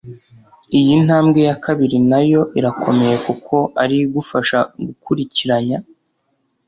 Iyi ntambwe ya kabiri na yo irakomeye kuko ari yo igufasha gukurikiranya